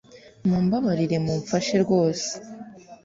mumbabarire mumfashe rwose